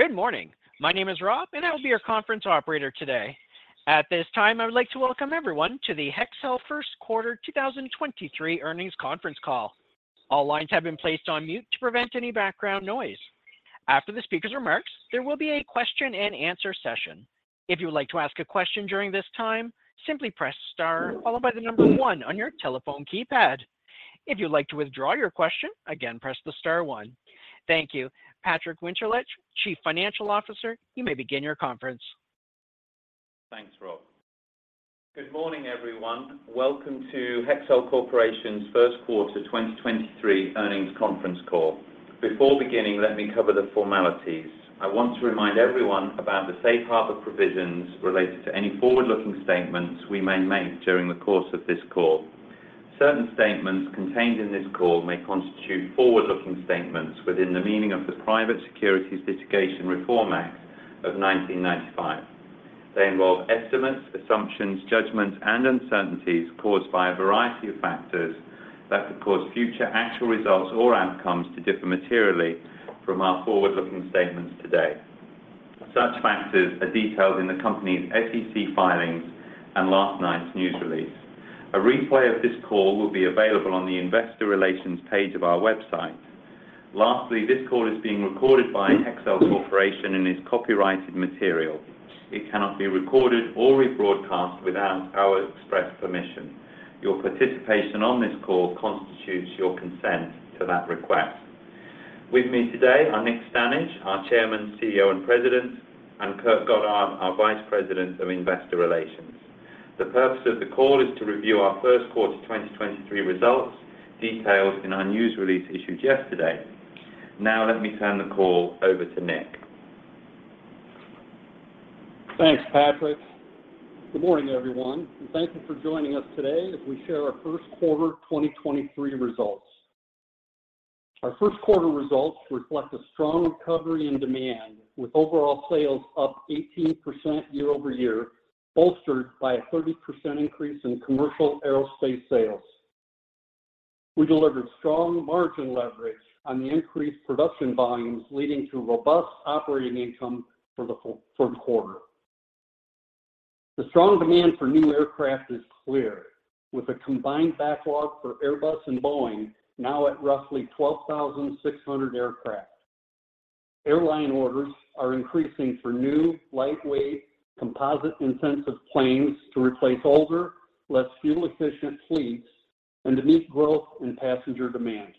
Good morning. My name is Rob, and I will be your conference operator today. At this time, I would like to welcome everyone to the Hexcel First Quarter 2023 Earnings Conference Call. All lines have been placed on mute to prevent any background noise. After the speaker's remarks, there will be a question-and-answer session. If you would like to ask a question during this time, simply press Star followed by One on your telephone keypad. If you'd like to withdraw your question, again, press the Star One. Thank you. Patrick Winterlich, Chief Financial Officer, you may begin your conference. Thanks, Rob. Good morning, everyone. Welcome to Hexcel Corporation's First Quarter 2023 Earnings Conference Call. Before beginning, let me cover the formalities. I want to remind everyone about the safe harbor provisions related to any forward-looking statements we may make during the course of this call. Certain statements contained in this call may constitute forward-looking statements within the meaning of the Private Securities Litigation Reform Act of 1995. They involve estimates, assumptions, judgments, and uncertainties caused by a variety of factors that could cause future actual results or outcomes to differ materially from our forward-looking statements today. Such factors are detailed in the company's SEC filings and last night's news release. A replay of this call will be available on the investor relations page of our website. Lastly, this call is being recorded by Hexcel Corporation and is copyrighted material. It cannot be recorded or rebroadcast without our express permission. Your participation on this call constitutes your consent to that request. With me today are Nick Stanage, our Chairman, CEO, and President, and Kurt Goddard, our Vice President of Investor Relations. The purpose of the call is to review our first quarter 2023 results detailed in our news release issued yesterday. Let me turn the call over to Nick. Thanks, Patrick. Good morning, everyone. Thank you for joining us today as we share our first quarter 2023 results. Our first quarter results reflect a strong recovery in demand with overall sales up 18% year-over-year, bolstered by a 30% increase in commercial aerospace sales. We delivered strong margin leverage on the increased production volumes, leading to robust operating income for the third quarter. The strong demand for new aircraft is clear, with a combined backlog for Airbus and Boeing now at roughly 12,600 aircraft. Airline orders are increasing for new, lightweight, composite-intensive planes to replace older, less fuel-efficient fleets and to meet growth in passenger demand.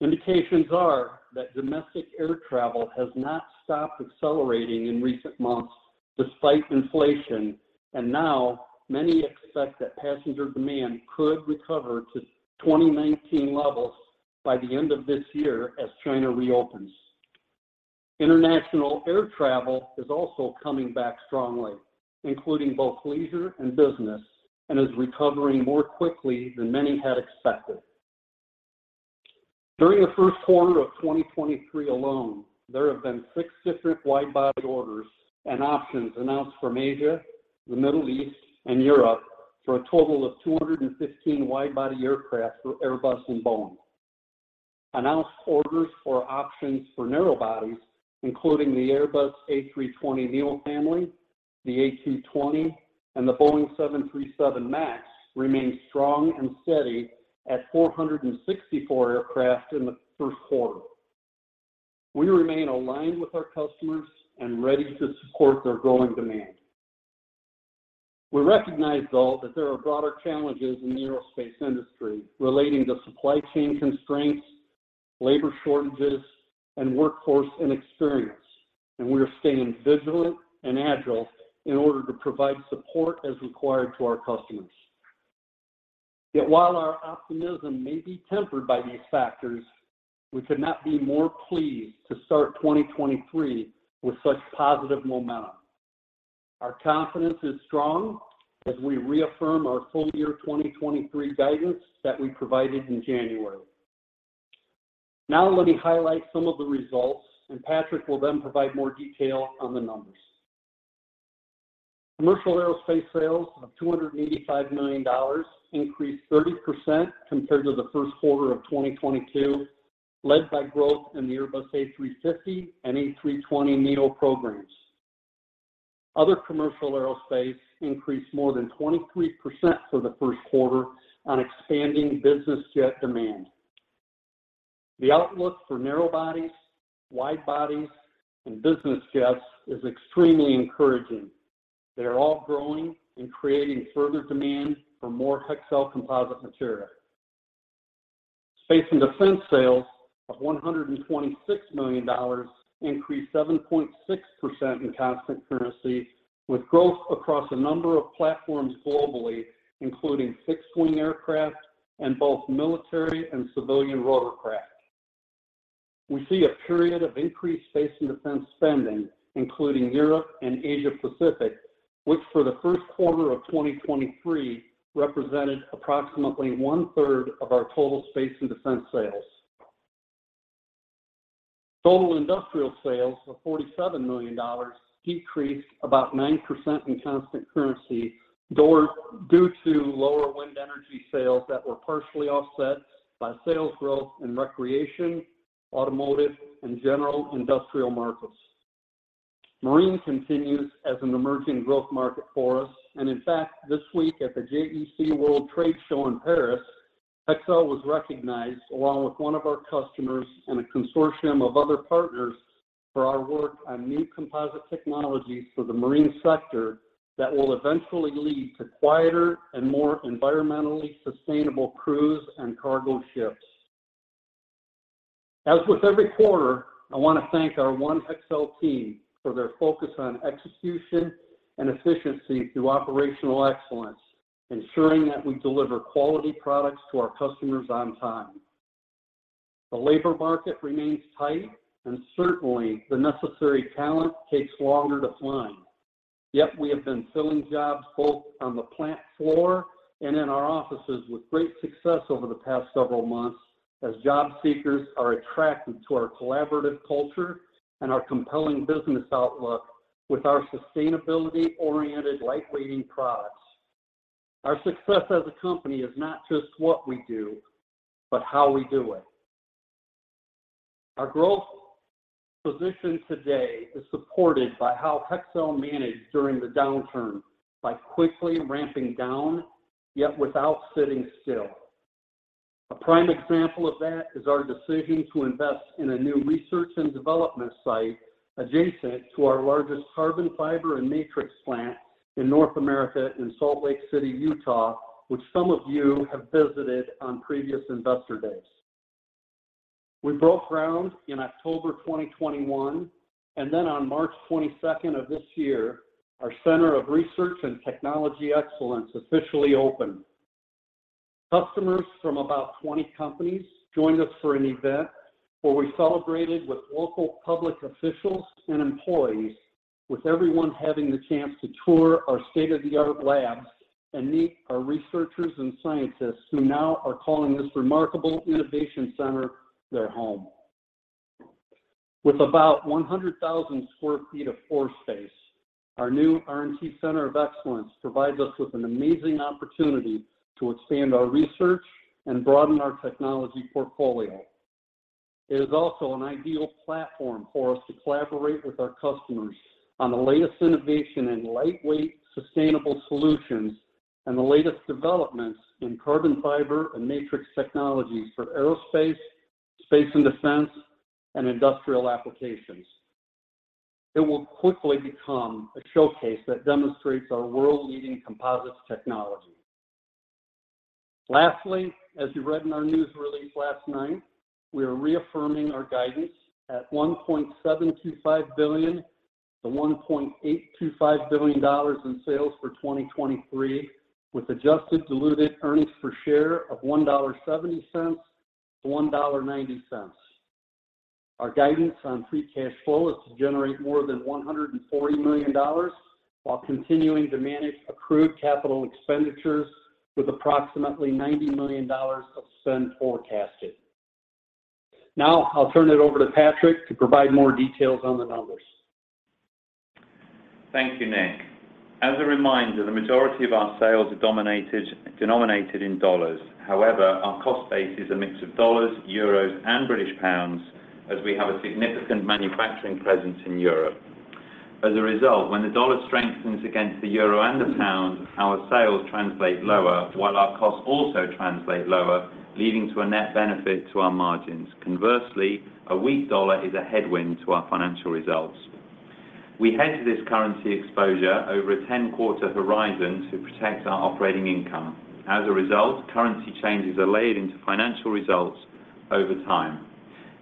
Indications are that domestic air travel has not stopped accelerating in recent months despite inflation, and now many expect that passenger demand could recover to 2019 levels by the end of this year as China reopens. International air travel is also coming back strongly, including both leisure and business, and is recovering more quickly than many had expected. During the first quarter of 2023 alone, there have been 6 different wide-body orders and options announced from Asia, the Middle East, and Europe, for a total of 215 wide-body aircraft for Airbus and Boeing. Announced orders for options for narrow bodies, including the Airbus A320neo family, the A220, and the Boeing 737 MAX, remain strong and steady at 464 aircraft in the first quarter. We remain aligned with our customers and ready to support their growing demand. We recognize, though, that there are broader challenges in the aerospace industry relating to supply chain constraints, labor shortages, and workforce inexperience. We are staying vigilant and agile in order to provide support as required to our customers. While our optimism may be tempered by these factors, we could not be more pleased to start 2023 with such positive momentum. Our confidence is strong as we reaffirm our full year 2023 guidance that we provided in January. Let me highlight some of the results. Patrick will then provide more detail on the numbers. Commercial aerospace sales of $285 million increased 30% compared to the first quarter of 2022, led by growth in the Airbus A350 and A320neo programs. Other commercial aerospace increased more than 23% for the first quarter on expanding business jet demand. The outlook for narrow bodies, wide bodies, and business jets is extremely encouraging. They are all growing and creating further demand for more Hexcel composite material. Space and defense sales of $126 million increased 7.6% in constant currency, with growth across a number of platforms globally, including fixed-wing aircraft and both military and civilian rotorcraft. We see a period of increased space and defense spending, including Europe and Asia Pacific, which for the first quarter of 2023 represented approximately one-third of our total space and defense sales. Total industrial sales of $47 million decreased about 9% in constant currency due to lower wind energy sales that were partially offset by sales growth in recreation, automotive, and general industrial markets. Marine continues as an emerging growth market for us. In fact, this week at the JEC World trade show in Paris, Hexcel was recognized along with one of our customers and a consortium of other partners for our work on new composite technologies for the marine sector that will eventually lead to quieter and more environmentally sustainable cruise and cargo ships. As with every quarter, I want to thank our One Hexcel team for their focus on execution and efficiency through operational excellence, ensuring that we deliver quality products to our customers on time. The labor market remains tight, and certainly, the necessary talent takes longer to find. Yet we have been filling jobs both on the plant floor and in our offices with great success over the past several months as job seekers are attracted to our collaborative culture and our compelling business outlook with our sustainability-oriented lightweighting products. Our success as a company is not just what we do but how we do it. Our growth position today is supported by how Hexcel managed during the downturn by quickly ramping down, yet without sitting still. A prime example of that is our decision to invest in a new research and development site adjacent to our largest carbon fiber and matrix plant in North America in Salt Lake City, Utah, which some of you have visited on previous investor days. We broke ground in October 2021, then on March 22nd of this year, our Center of Research and Technology Excellence officially opened. Customers from about 20 companies joined us for an event where we celebrated with local public officials and employees, with everyone having the chance to tour our state-of-the-art labs and meet our researchers and scientists who now are calling this remarkable innovation center their home. With about 100,000 sq ft of floor space, our new R&T Center of Excellence provides us with an amazing opportunity to expand our research and broaden our technology portfolio. It is also an ideal platform for us to collaborate with our customers on the latest innovation in lightweight, sustainable solutions and the latest developments in carbon fiber and matrix technologies for aerospace, space and defense, and industrial applications. It will quickly become a showcase that demonstrates our world-leading composites technology. Lastly, as you read in our news release last night, we are reaffirming our guidance at $1.725 billion-$1.825 billion in sales for 2023, with adjusted diluted earnings per share of $1.70-$1.90. Our guidance on free cash flow is to generate more than $140 million while continuing to manage accrued capital expenditures with approximately $90 million of spend forecasted. Now, I'll turn it over to Patrick to provide more details on the numbers. Thank you, Nick. As a reminder, the majority of our sales are denominated in dollars. Our cost base is a mix of dollars, euros, and British pounds, as we have a significant manufacturing presence in Europe. When the dollar strengthens against the euro and the pound, our sales translate lower while our costs also translate lower, leading to a net benefit to our margins. A weak dollar is a headwind to our financial results. We hedge this currency exposure over a 10-quarter horizon to protect our operating income. Currency changes are laid into financial results over time.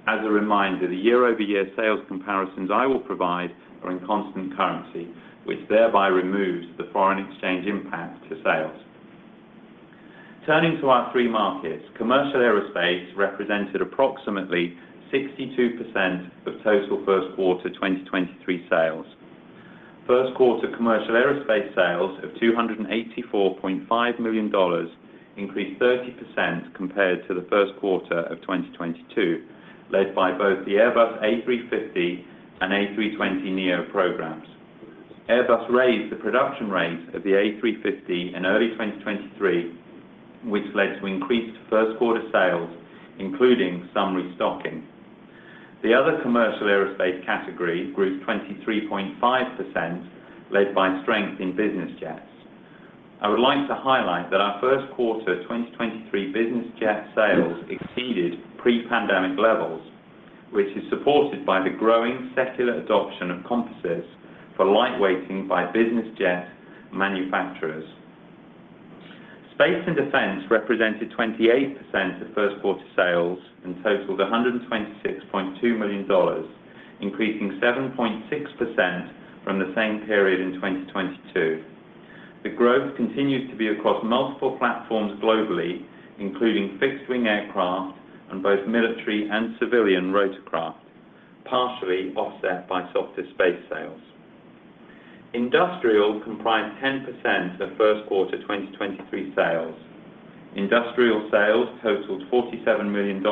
As a reminder, the year-over-year sales comparisons I will provide are in constant currency, which thereby removes the foreign exchange impact to sales. Turning to our three markets, commercial aerospace represented approximately 62% of total first quarter 2023 sales. First quarter commercial aerospace sales of $284.5 million increased 30% compared to the first quarter of 2022, led by both the Airbus A350 and A320neo programs. Airbus raised the production rate of the A350 in early 2023, which led to increased first quarter sales, including some restocking. The other commercial aerospace category grew 23.5%, led by strength in business jets. I would like to highlight that our first quarter 2023 business jet sales exceeded pre-pandemic levels, which is supported by the growing secular adoption of composites for lightweighting by business jet manufacturers. Space and defense represented 28% of first quarter sales and totaled $126.2 million, increasing 7.6% from the same period in 2022. The growth continues to be across multiple platforms globally, including fixed-wing aircraft and both military and civilian rotorcraft, partially offset by softer space sales. Industrial comprised 10% of first quarter 2023 sales. Industrial sales totaled $47 million,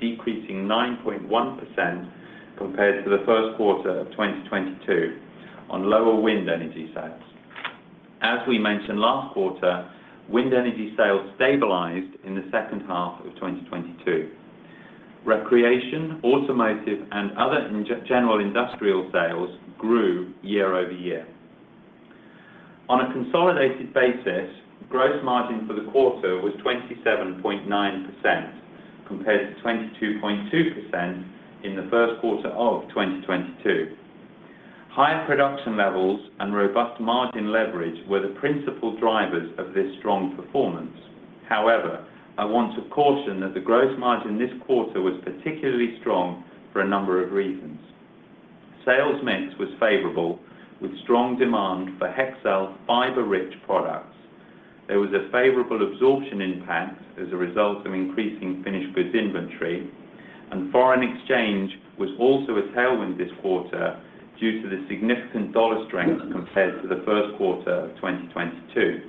decreasing 9.1% compared to the first quarter of 2022 on lower wind energy sales. As we mentioned last quarter, wind energy sales stabilized in the second half of 2022. Recreation, automotive, and other general industrial sales grew year-over-year. On a consolidated basis, gross margin for the quarter was 27.9% compared to 22.2% in the first quarter of 2022. Higher production levels and robust margin leverage were the principal drivers of this strong performance. However, I want to caution that the gross margin this quarter was particularly strong for a number of reasons. Sales mix was favorable with strong demand for Hexcel fiber-rich products. There was a favorable absorption impact as a result of increasing finished goods inventory, and foreign exchange was also a tailwind this quarter due to the significant dollar strength compared to the first quarter of 2022.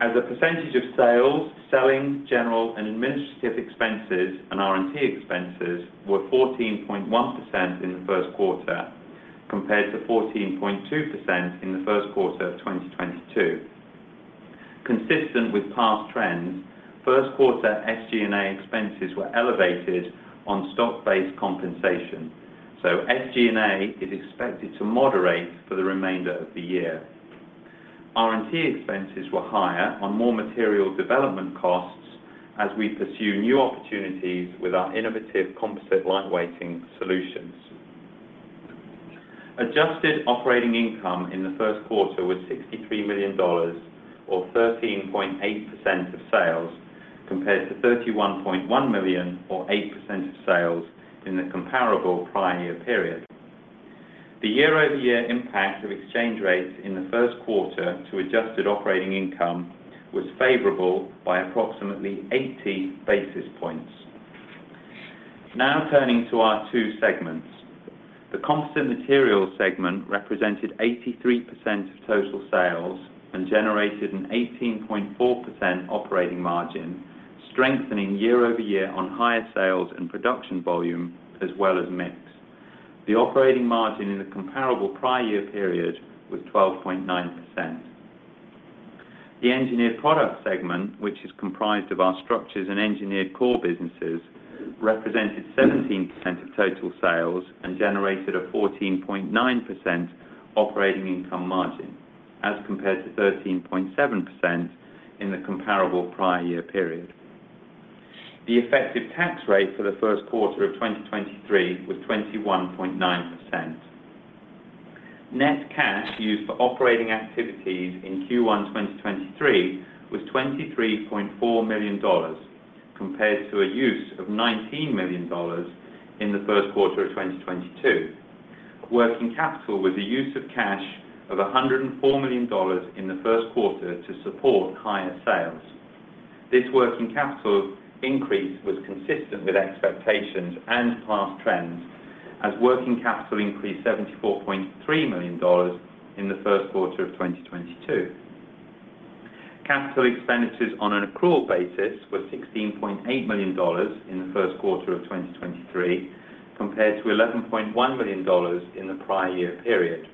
As a percentage of sales, selling, general, and administrative expenses and R&T expenses were 14.1% in the first quarter, compared to 14.2% in the first quarter of 2022. Consistent with past trends, first quarter SG&A expenses were elevated on stock-based compensation. SG&A is expected to moderate for the remainder of the year. R&T expenses were higher on more material development costs as we pursue new opportunities with our innovative composite light weighting solutions. Adjusted operating income in the first quarter was $63 million or 13.8% of sales, compared to $31.1 million or 8% of sales in the comparable prior year period. The year-over-year impact of exchange rates in the first quarter to adjusted operating income was favorable by approximately 80 basis points. Now turning to our two segments. The Composite Materials segment represented 83% of total sales and generated an 18.4% operating margin, strengthening year-over-year on higher sales and production volume as well as mix. The operating margin in the comparable prior year period was 12.9%. The Engineered Products segment, which is comprised of our structures and engineered core businesses, represented 17% of total sales and generated a 14.9% operating income margin as compared to 13.7% in the comparable prior year period. The effective tax rate for the first quarter of 2023 was 21.9%. Net cash used for operating activities in Q1 2023 was $23.4 million compared to a use of $19 million in the first quarter of 2022. Working capital with the use of cash of $104 million in the first quarter to support higher sales. This working capital increase was consistent with expectations and past trends as working capital increased $74.3 million in the first quarter of 2022. Capital expenditures on an accrual basis were $16.8 million in the first quarter of 2023, compared to $11.1 million in the prior year period.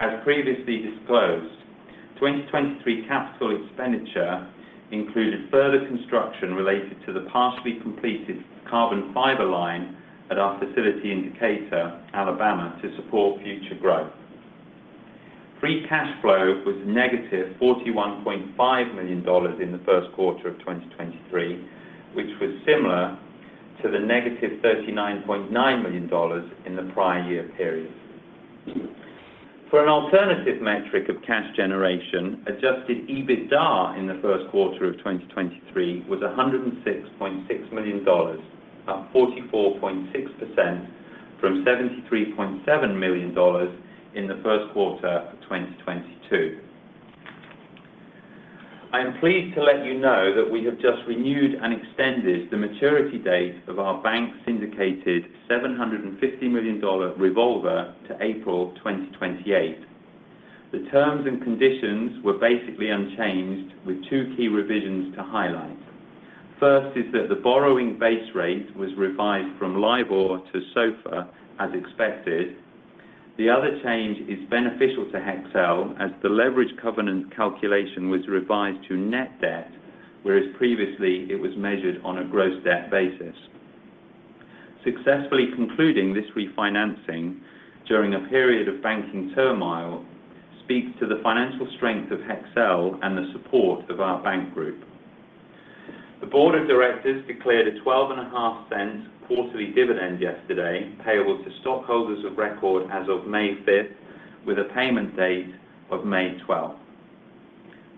As previously disclosed, 2023 capital expenditure included further construction related to the partially completed carbon fiber line at our facility in Decatur, Alabama to support future growth. Free cash flow was -$41.5 million in the first quarter of 2023, which was similar to the -$39.9 million in the prior year period. For an alternative metric of cash generation, adjusted EBITDA in the first quarter of 2023 was $106.6 million, up 44.6% from $73.7 million in the first quarter of 2022. I am pleased to let you know that we have just renewed and extended the maturity date of our bank syndicated $750 million revolver to April 2028. The terms and conditions were basically unchanged with two key revisions to highlight. First is that the borrowing base rate was revised from LIBOR to SOFR as expected. The other change is beneficial to Hexcel as the leverage covenant calculation was revised to net debt, whereas previously it was measured on a gross debt basis. Successfully concluding this refinancing during a period of banking turmoil speaks to the financial strength of Hexcel and the support of our bank group. The board of directors declared a twelve and a half cent quarterly dividend yesterday, payable to stockholders of record as of May fifth, with a payment date of May twelfth.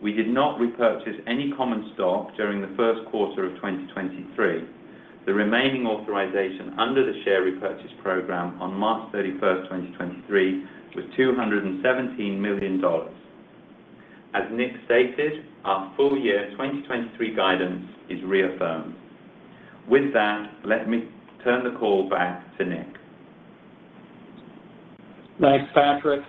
We did not repurchase any common stock during the first quarter of 2023. The remaining authorization under the share repurchase program on March 31st, 2023 was $217 million. As Nick stated, our full year 2023 guidance is reaffirmed. Let me turn the call back to Nick. Thanks, Patrick.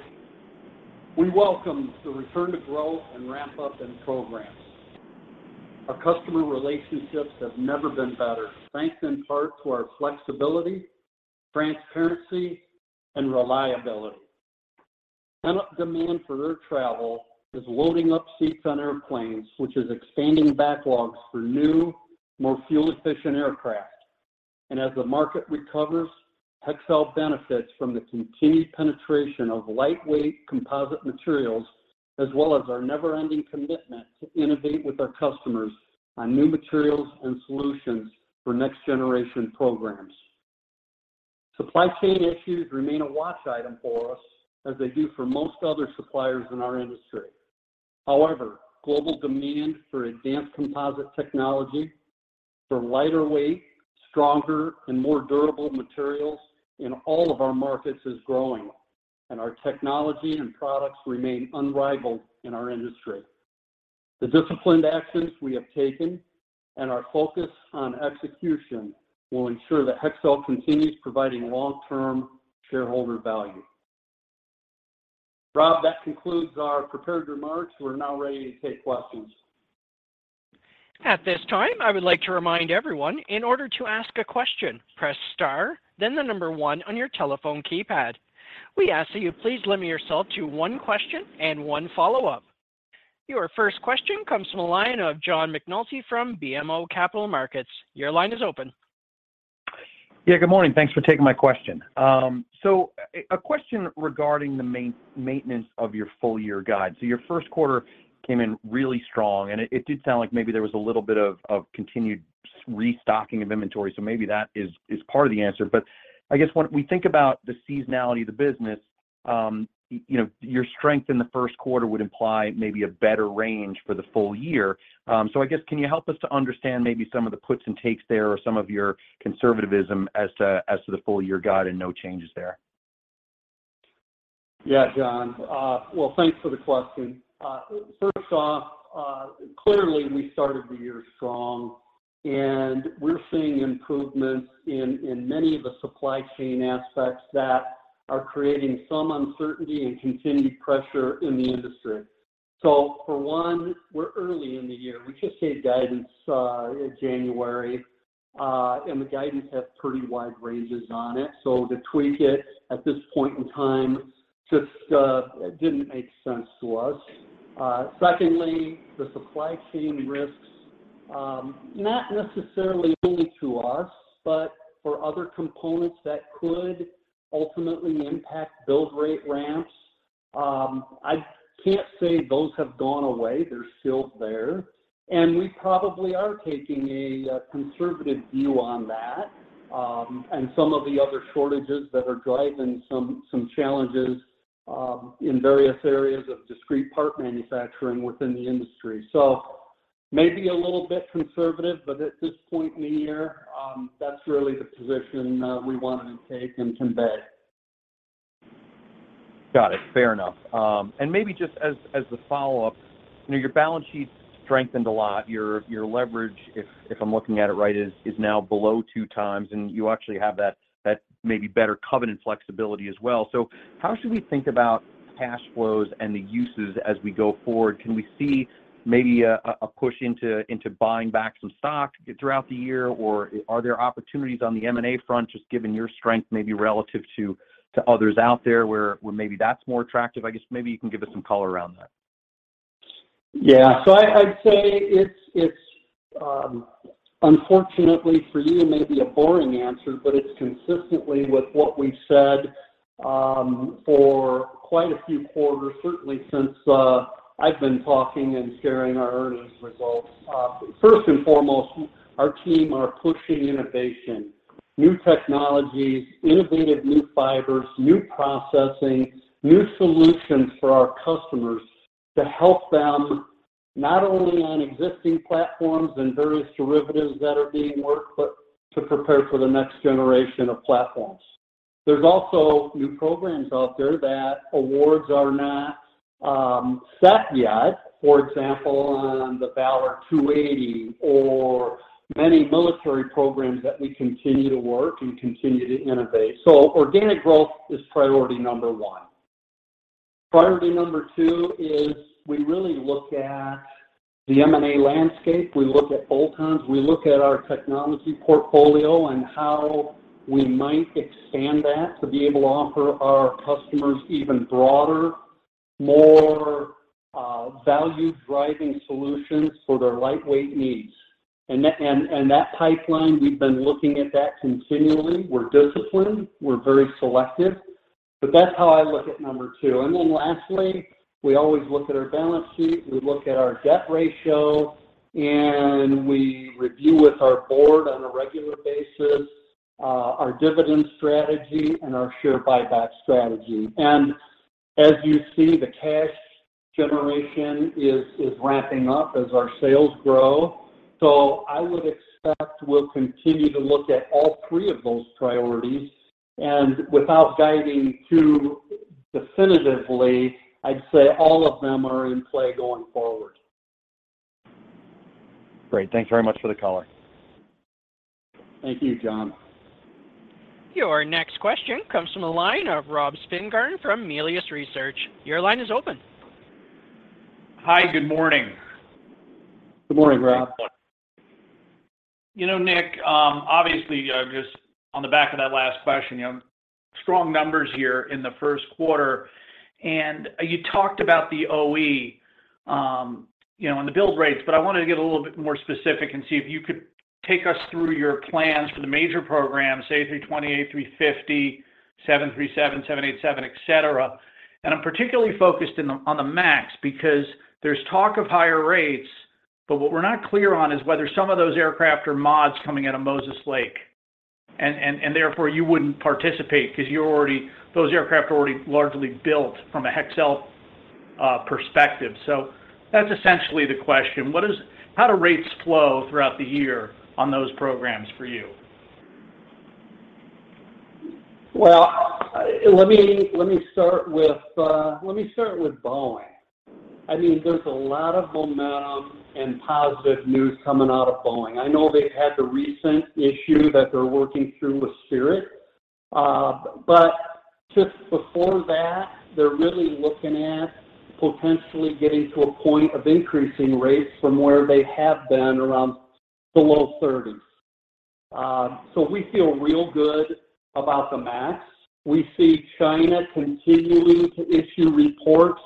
We welcome the return to growth and ramp up in programs. Our customer relationships have never been better. Thanks in part to our flexibility, transparency, and reliability. Pent-up demand for air travel is loading up seats on airplanes, which is expanding backlogs for new, more fuel-efficient aircraft. As the market recovers, Hexcel benefits from the continued penetration of lightweight composite materials as well as our never-ending commitment to innovate with our customers on new materials and solutions for next-generation programs. Supply chain issues remain a watch item for us as they do for most other suppliers in our industry. However, global demand for advanced composite technology, for lighter weight, stronger, and more durable materials in all of our markets is growing, and our technology and products remain unrivaled in our industry. The disciplined actions we have taken and our focus on execution will ensure that Hexcel continues providing long-term shareholder value. Rob, that concludes our prepared remarks. We're now ready to take questions. At this time, I would like to remind everyone in order to ask a question, press star, then the number 1 on your telephone keypad. We ask that you please limit yourself to one question and one follow-up. Your first question comes from the line of John McNulty from BMO Capital Markets. Your line is open. Yeah, good morning. Thanks for taking my question. A question regarding the maintenance of your full-year guide. Your first quarter came in really strong, and it did sound like maybe there was a little bit of continued restocking of inventory, so maybe that is part of the answer. I guess when we think about the seasonality of the business, you know, your strength in the first quarter would imply maybe a better range for the full year. I guess, can you help us to understand maybe some of the puts and takes there or some of your conservativism as to the full-year guide and no changes there? Yeah, John. Well, thanks for the question. First off, clearly, we started the year strong, and we're seeing improvements in many of the supply chain aspects that are creating some uncertainty and continued pressure in the industry. For one, we're early in the year. We just gave guidance in January, and the guidance has pretty wide ranges on it. To tweak it at this point in time just didn't make sense to us. Secondly, the supply chain risks, not necessarily only to us, but for other components that could ultimately impact build rate ramps, I can't say those have gone away. They're still there. We probably are taking a conservative view on that, and some of the other shortages that are driving some challenges in various areas of discrete part manufacturing within the industry. Maybe a little bit conservative, but at this point in the year, that's really the position, we wanted to take and convey. Got it. Fair enough. Maybe just as a follow-up, you know, your balance sheet strengthened a lot. Your leverage, if I'm looking at it right, is now below 2 times, and you actually have that maybe better covenant flexibility as well. How should we think about cash flows and the uses as we go forward? Can we see maybe a push into buying back some stock throughout the year? Are there opportunities on the M&A front just given your strength maybe relative to others out there where maybe that's more attractive? I guess maybe you can give us some color around that. Yeah. I'd say it's, unfortunately for you, it may be a boring answer, but it's consistently with what we've said for quite a few quarters, certainly since I've been talking and sharing our earnings results. First and foremost, our team are pushing innovation, new technologies, innovative new fibers, new processing, new solutions for our customers to help them not only on existing platforms and various derivatives that are being worked, but to prepare for the next generation of platforms. There's also new programs out there that awards are not set yet. For example, on the V-280 Valor or many military programs that we continue to work and continue to innovate. Organic growth is priority number one. Priority number two is we really look at the M&A landscape. We look at all terms. We look at our technology portfolio and how we might expand that to be able to offer our customers even broader, more, value-driving solutions for their lightweight needs. That pipeline, we've been looking at that continually. We're disciplined. We're very selective, but that's how I look at number two. Then lastly, we always look at our balance sheet. We look at our debt ratio, and we review with our board on a regular basis, our dividend strategy and our share buyback strategy. As you see, the cash generation is ramping up as our sales grow. I would expect we'll continue to look at all three of those priorities. Without guiding too definitively, I'd say all of them are in play going forward. Great. Thanks very much for the color. Thank you, John. Your next question comes from the line of Robert Spingarn from Melius Research. Your line is open. Hi. Good morning. Good morning, Rob. You know, Nick, obviously, just on the back of that last question, you know, strong numbers here in the first quarter. You talked about the OE, you know, and the build rates, but I wanted to get a little bit more specific and see if you could take us through your plans for the major programs, say A320, A350, 737, 787, et cetera. I'm particularly focused on the MAX, because there's talk of higher rates, but what we're not clear on is whether some of those aircraft are mods coming out of Moses Lake, and therefore, you wouldn't participate because you're already those aircraft are already largely built from a Hexcel perspective. That's essentially the question. How do rates flow throughout the year on those programs for you? Well, let me start with Boeing. I mean, there's a lot of momentum and positive news coming out of Boeing. I know they've had the recent issue that they're working through with Spirit. Just before that, they're really looking at potentially getting to a point of increasing rates from where they have been around below thirties. We feel real good about the MAX. We see China continuing to issue reports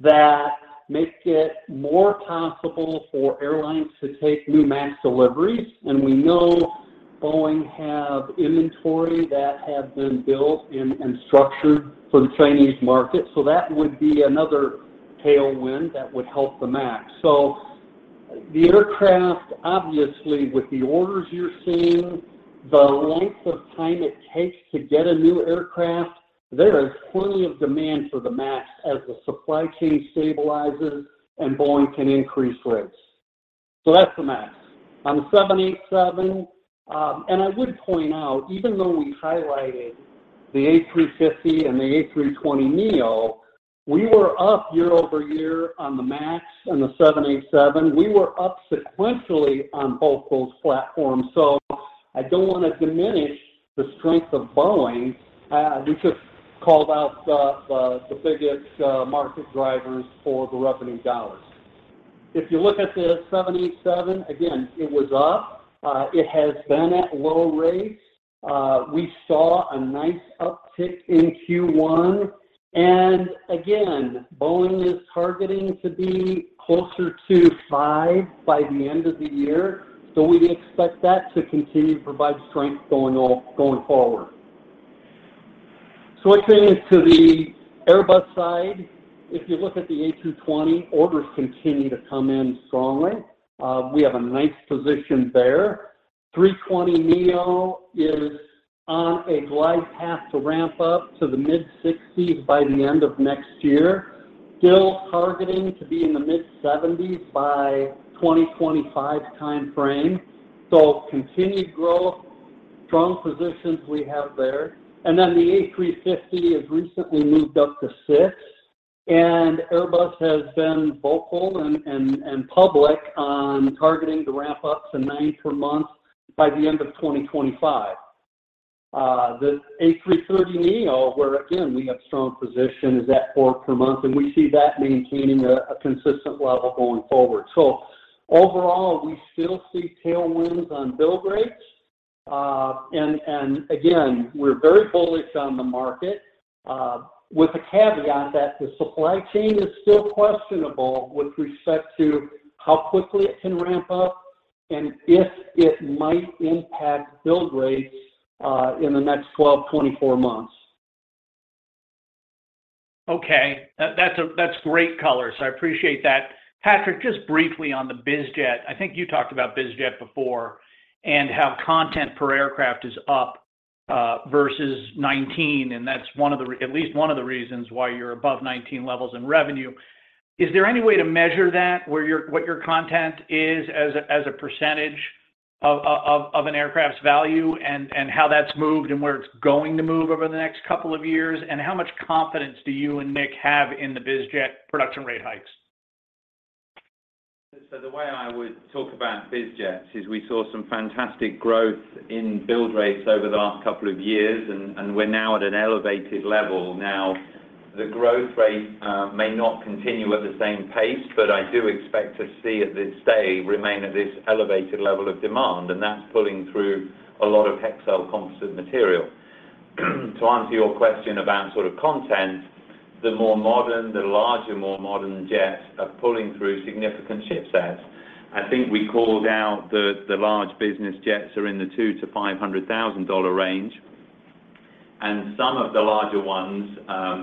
that make it more possible for airlines to take new MAX deliveries. We know Boeing have inventory that have been built and structured for the Chinese market. That would be another tailwind that would help the MAX. The aircraft, obviously, with the orders you're seeing, the length of time it takes to get a new aircraft, there is plenty of demand for the MAX as the supply chain stabilizes and Boeing can increase rates. That's the MAX. On 787, I would point out, even though we highlighted the A350 and the A320neo, we were up year-over-year on the MAX and the 787. We were up sequentially on both those platforms. I don't wanna diminish the strength of Boeing. We just called out the biggest market drivers for the revenue dollars. If you look at the 787, again, it was up. It has been at low rates. We saw a nice uptick in Q1. Again, Boeing is targeting to be closer to 5 by the end of the year. We expect that to continue to provide strength going forward. Switching to the Airbus side, if you look at the A220, orders continue to come in strongly. We have a nice position there. A320neo is on a glide path to ramp up to the mid-60s by the end of next year. Still targeting to be in the mid-70s by 2025 timeframe. Continued growth, strong positions we have there. The A350 has recently moved up to 6, and Airbus has been vocal and public on targeting to ramp up to 9 per month by the end of 2025. The A330neo, where again, we have strong position, is at 4 per month, and we see that maintaining a consistent level going forward. Overall, we still see tailwinds on build rates. And again, we're very bullish on the market, with the caveat that the supply chain is still questionable with respect to how quickly it can ramp up and if it might impact build rates, in the next 12, 24 months. Okay. That's great color, so I appreciate that. Patrick, just briefly on the biz jet. I think you talked about biz jet before and how content per aircraft is up versus 2019, and that's one of the reasons why you're above 2019 levels in revenue. Is there any way to measure that, where what your content is as a, as a percent of, of an aircraft's value and how that's moved and where it's going to move over the next couple of years? How much confidence do you and Nick have in the biz jet production rate hikes? The way I would talk about biz jets is we saw some fantastic growth in build rates over the last couple of years, and we're now at an elevated level. The growth rate may not continue at the same pace, but I do expect to see it remain at this elevated level of demand. That's pulling through a lot of Hexcel composite material. To answer your question about sort of content, the more modern, the larger, more modern jets are pulling through significant ship sets. I think we called out the large business jets are in the $200,000-$500,000 range, and some of the larger ones,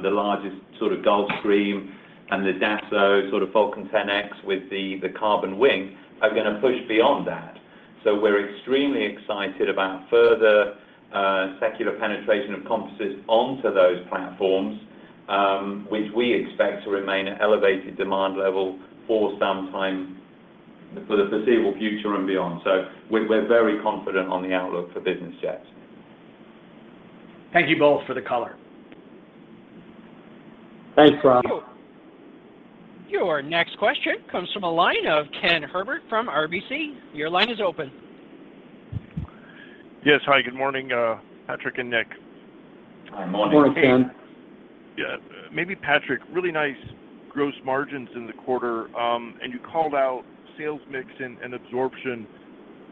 the largest sort of Gulfstream and the Dassault, sort of Falcon 10X with the carbon wing, are gonna push beyond that. We're extremely excited about further secular penetration of composites onto those platforms, which we expect to remain at elevated demand level for some time for the foreseeable future and beyond. We're very confident on the outlook for business jets. Thank you both for the color. Thanks, Rob. Your next question comes from a line of Kenneth Herbert from RBC. Your line is open. Yes. Hi, good morning, Patrick and Nick. Hi. Morning. Morning, Ken. Yeah. Maybe Patrick, really nice gross margins in the quarter. You called out sales mix and absorption.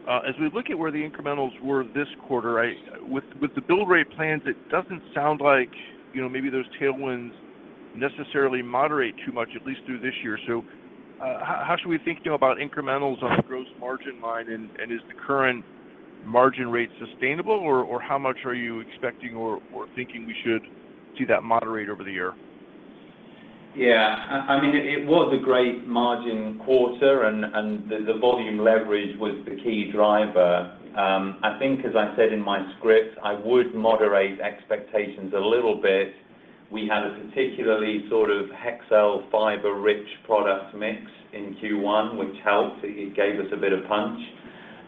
As we look at where the incrementals were this quarter, with the build rate plans, it doesn't sound like, you know, maybe those tailwinds necessarily moderate too much, at least through this year. How should we think, you know, about incrementals on the gross margin line? Is the current margin rate sustainable? How much are you expecting or thinking we should see that moderate over the year? I mean, it was a great margin quarter and the volume leverage was the key driver. I think as I said in my script, I would moderate expectations a little bit. We had a particularly sort of Hexcel fiber-rich product mix in Q1, which helped. It gave us a bit of punch.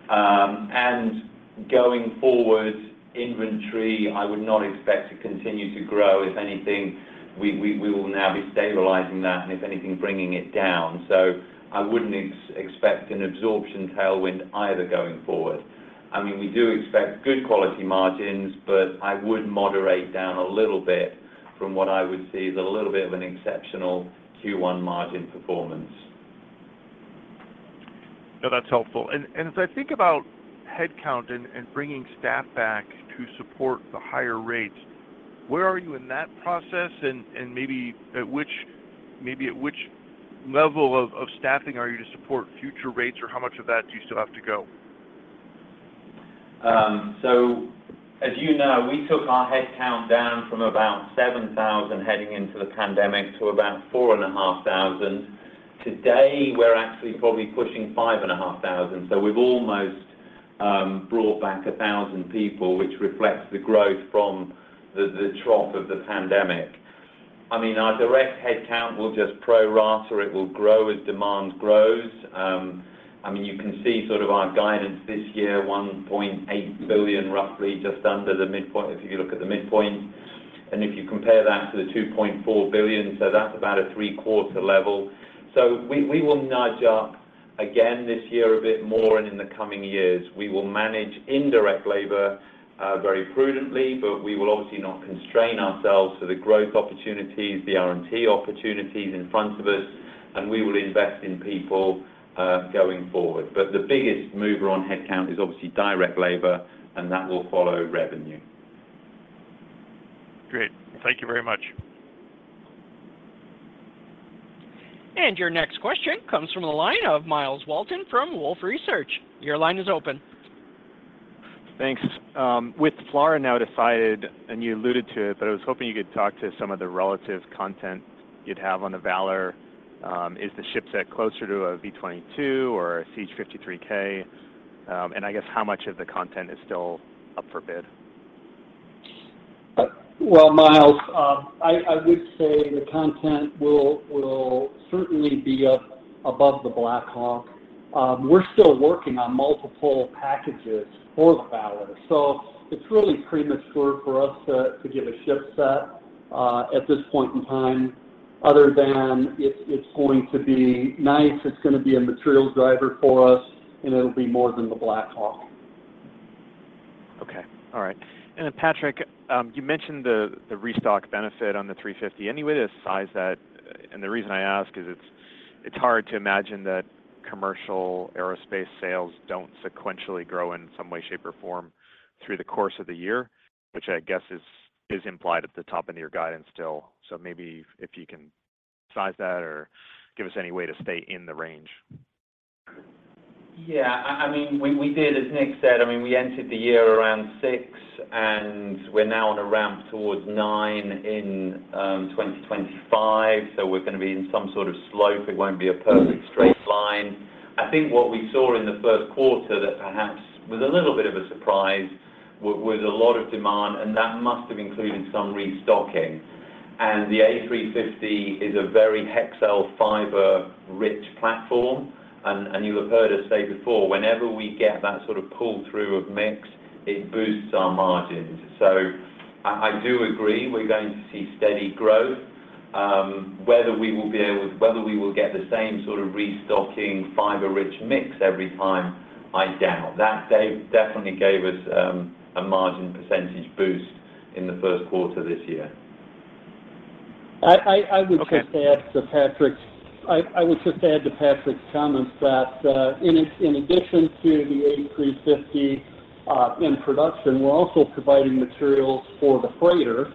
And going forward, inventory, I would not expect to continue to grow. If anything, we will now be stabilizing that and, if anything, bringing it down. I wouldn't expect an absorption tailwind either going forward. I mean, we do expect good quality margins, but I would moderate down a little bit from what I would see is a little bit of an exceptional Q1 margin performance. No, that's helpful. As I think about headcount and bringing staff back to support the higher rates, where are you in that process and maybe at which level of staffing are you to support future rates, or how much of that do you still have to go? So as you know, we took our headcount down from about 7,000 heading into the pandemic to about 4,500. Today, we're actually probably pushing 5,500. So we've almost brought back 1,000 people, which reflects the growth from the trough of the pandemic. I mean, our direct headcount will just pro rata. It will grow as demand grows. I mean, you can see sort of our guidance this year, $1.8 billion, roughly just under the midpoint if you look at the midpoint. If you compare that to the $2.4 billion, so that's about a three-quarter level. We, we will nudge up again this year a bit more and in the coming years. We will manage indirect labor, very prudently, but we will obviously not constrain ourselves to the growth opportunities, the R&T opportunities in front of us, and we will invest in people, going forward. The biggest mover on headcount is obviously direct labor, and that will follow revenue. Great. Thank you very much. Your next question comes from the line of Myles Walton from Wolfe Research. Your line is open. Thanks. With FLRAA now decided, and you alluded to it, but I was hoping you could talk to some of the relative content you'd have on the V-280 Valor. Is the shipset closer to a V-22 or a CH-53K? I guess how much of the content is still up for bid? Well, Myles, I would say the content will certainly be up above the Black Hawk. We're still working on multiple packages for the Valor, so it's really premature for us to give a shipset at this point in time, other than it's going to be nice, it's gonna be a materials driver for us, and it'll be more than the Black Hawk. All right. Patrick, you mentioned the restock benefit on the A350. Any way to size that? The reason I ask is it's hard to imagine that commercial aerospace sales don't sequentially grow in some way, shape, or form through the course of the year, which I guess is implied at the top end of your guidance still. Maybe if you can size that or give us any way to stay in the range. Yeah. I mean, we did, as Nick said, I mean, we entered the year around 6, and we're now on a ramp towards 9 in 2025, so we're going to be in some sort of slope. It won't be a perfect straight line. I think what we saw in the first quarter that perhaps was a little bit of a surprise was a lot of demand. That must have included some restocking. The A350 is a very Hexcel fiber-rich platform. You have heard us say before, whenever we get that sort of pull through of mix, it boosts our margins. I do agree we're going to see steady growth. Whether we will get the same sort of restocking fiber-rich mix every time, I doubt. That definitely gave us a margin % boost in the first quarter this year. I, I, I would just- Okay I would just add to Patrick's comments that in addition to the A350 in production, we're also providing materials for the freighter.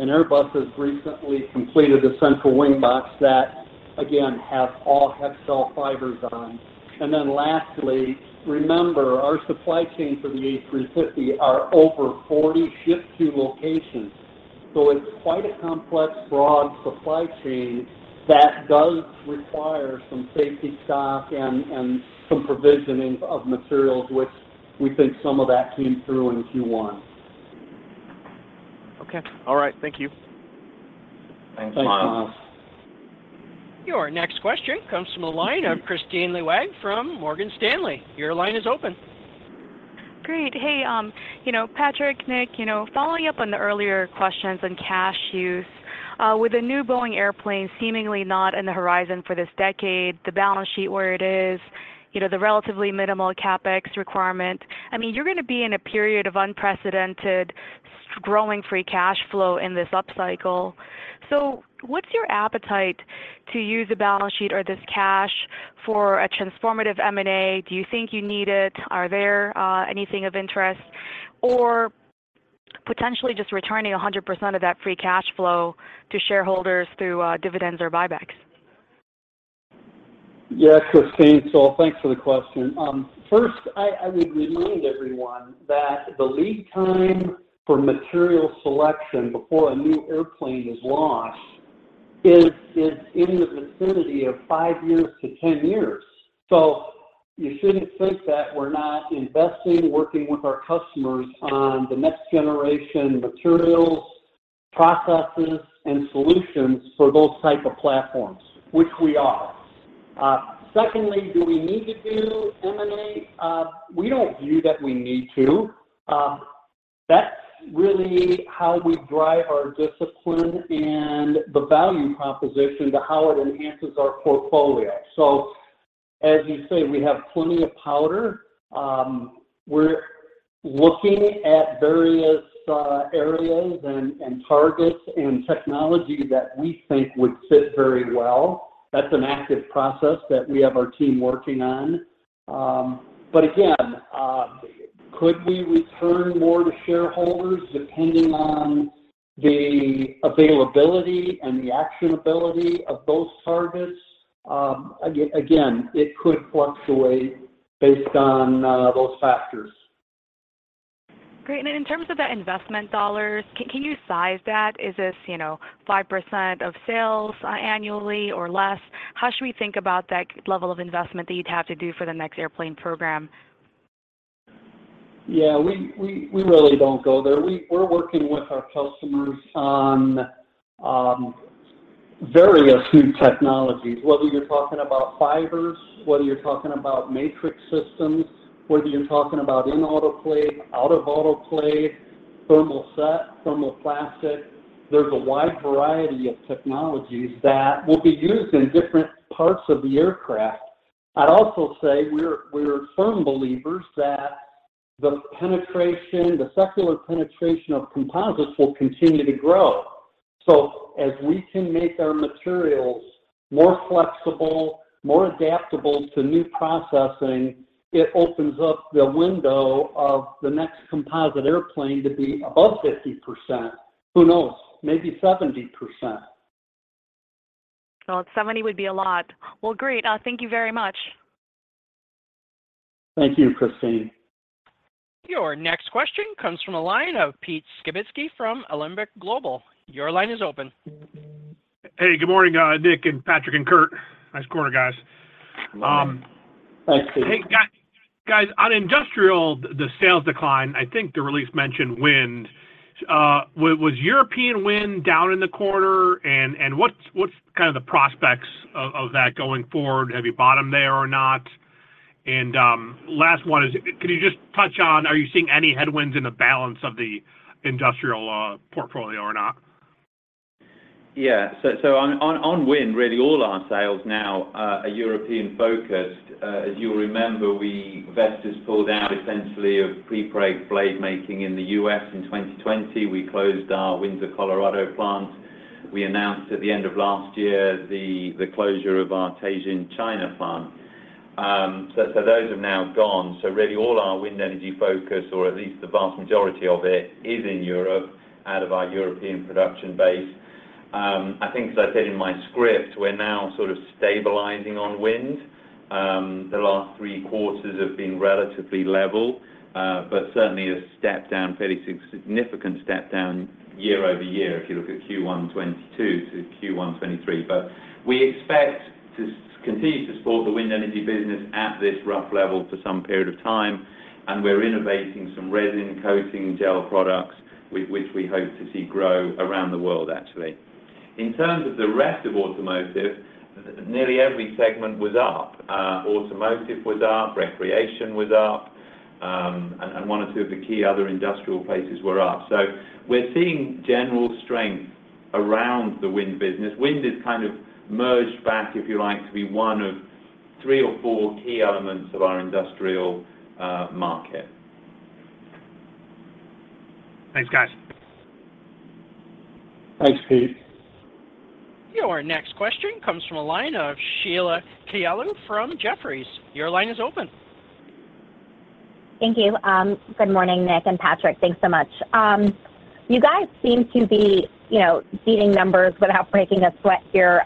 Airbus has recently completed a central wing box that, again, has all Hexcel fibers on. Lastly, remember, our supply chain for the A350 are over 40 ship-to locations. It's quite a complex, broad supply chain that does require some safety stock and some provisioning of materials, which we think some of that came through in Q1. Okay. All right. Thank you. Thanks, Myles. Thanks. Your next question comes from the line of Kristine Liwag from Morgan Stanley. Your line is open. Great. Hey, you know, Patrick, Nick, you know, following up on the earlier questions on cash use. With a new Boeing airplane seemingly not in the horizon for this decade, the balance sheet where it is, you know, the relatively minimal CapEx requirement. I mean, you're gonna be in a period of unprecedented growing free cash flow in this upcycle. What's your appetite to use the balance sheet or this cash for a transformative M&A? Do you think you need it? Are there anything of interest or potentially just returning 100% of that free cash flow to shareholders through dividends or buybacks? Yeah, Kristine. Thanks for the question. First I would remind everyone that the lead time for material selection before a new airplane is launched is in the vicinity of 5 years to 10 years. You shouldn't think that we're not investing, working with our customers on the next generation materials, processes, and solutions for those type of platforms, which we are. Secondly, do we need to do M&A? We don't view that we need to. That's really how we drive our discipline and the value proposition to how it enhances our portfolio. As you say, we have plenty of powder. We're looking at various areas and targets and technology that we think would fit very well. That's an active process that we have our team working on. Again, could we return more to shareholders depending on the availability and the actionability of those targets? Again, it could fluctuate based on those factors. Great. In terms of the investment dollars, can you size that? Is this, you know, 5% of sales, annually or less? How should we think about that level of investment that you'd have to do for the next airplane program? Yeah. We really don't go there. We're working with our customers on various new technologies, whether you're talking about fibers, whether you're talking about matrix systems, whether you're talking about in autoclave, out of autoclave, thermoset, thermoplastic. There's a wide variety of technologies that will be used in different parts of the aircraft. I'd also say we're firm believers that the penetration, the secular penetration of composites will continue to grow. As we can make our materials more flexible, more adaptable to new processing, it opens up the window of the next composite airplane to be above 50%. Who knows? Maybe 70%. Well, 70 would be a lot. Well, great. Thank you very much. Thank you, Kristine. Your next question comes from a line of Pete Skibitski from Alembic Global. Your line is open. Hey, good morning, Nick and Patrick and Kurt. Nice quarter, guys. Good morning. Thanks, Pete. Hey, guys, on industrial, the sales decline, I think the release mentioned wind. Was European wind down in the quarter? What's kind of the prospects of that going forward? Have you bottomed there or not? Last one is, can you just touch on, are you seeing any headwinds in the balance of the industrial portfolio or not? On wind, really all our sales now are European-focused. As you'll remember, Vestas pulled out essentially of prepreg blade making in the US in 2020. We closed our Windsor, Colorado plant. We announced at the end of last year the closure of our Taizhou, China plant. Those have now gone. Really all our wind energy focus, or at least the vast majority of it, is in Europe out of our European production base. I think, as I said in my script, we're now sort of stabilizing on wind. The last three quarters have been relatively level, but certainly a step down, fairly significant step down year-over-year if you look at Q1 2022 to Q1 2023. We expect to continue to support the wind energy business at this rough level for some period of time, and we're innovating some resin coating gel products which we hope to see grow around the world actually. In terms of the rest of automotive, nearly every segment was up. Automotive was up, recreation was up, and one or two of the key other industrial places were up. We're seeing general strength around the wind business. Wind has kind of merged back, if you like, to be one of three or four key elements of our industrial market. Thanks, guys. Thanks, Pete. Your next question comes from a line of Sheila Kahyaoglu from Jefferies. Your line is open. Thank you. Good morning, Nick and Patrick. Thanks so much. You guys seem to be, you know, beating numbers without breaking a sweat here.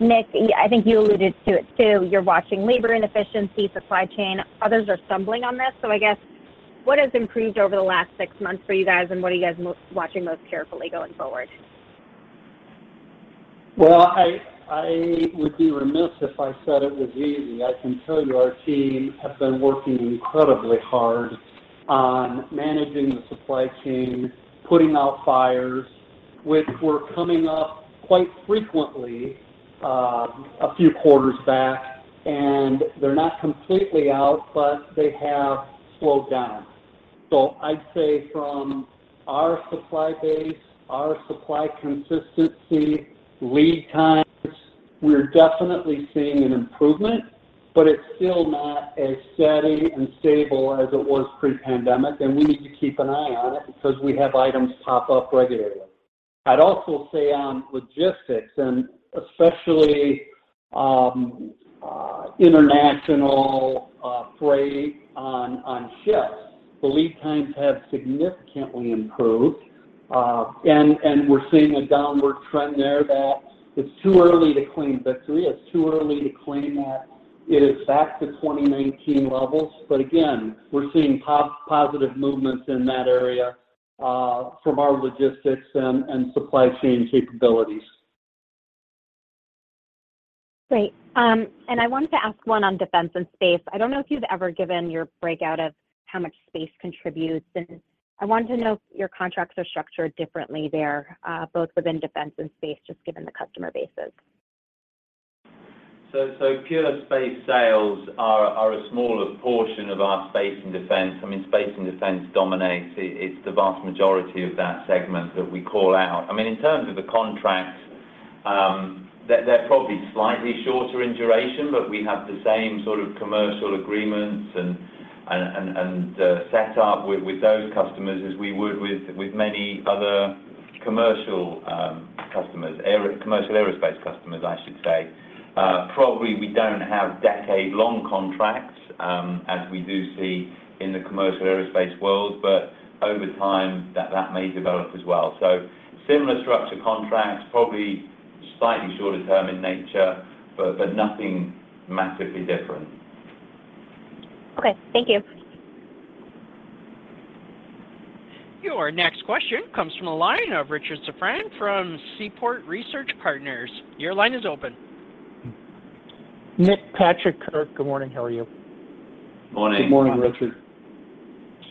Nick, I think you alluded to it too. You're watching labor inefficiency, supply chain. Others are stumbling on this. I guess what has improved over the last six months for you guys, and what are you guys watching most carefully going forward? Well, I would be remiss if I said it was easy. I can tell you our team have been working incredibly hard on managing the supply chain, putting out fires, which were coming up quite frequently, a few quarters back. They're not completely out, but they have slowed down. I'd say from our supply base, our supply consistency, lead times, we're definitely seeing an improvement, but it's still not as steady and stable as it was pre-pandemic, and we need to keep an eye on it because we have items pop up regularly. I'd also say on logistics, and especially international freight on ships, the lead times have significantly improved, and we're seeing a downward trend there that it's too early to claim victory. It's too early to claim that it is back to 2019 levels. Again, we're seeing positive movements in that area, from our logistics and supply chain capabilities. Great. I wanted to ask one on defense and space. I don't know if you've ever given your breakout of how much space contributes, and I wanted to know if your contracts are structured differently there, both within defense and space, just given the customer bases. Pure space sales are a smaller portion of our space and defense. I mean, space and defense dominates. It's the vast majority of that segment that we call out. I mean, in terms of the contracts, they're probably slightly shorter in duration, but we have the same sort of commercial agreements and set up with those customers as we would with many other commercial customers, commercial aerospace customers, I should say. Probably we don't have decade-long contracts as we do see in the commercial aerospace world. Over time, that may develop as well. Similar structure contracts, probably slightly shorter term in nature, but nothing massively different. Okay. Thank you. Your next question comes from the line of Richard Safran from Seaport Research Partners. Your line is open. Nick, Patrick, Kurt, good morning. How are you? Morning. Good morning, Richard.